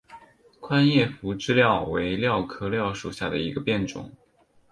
宽叶匐枝蓼为蓼科蓼属下的一个变种。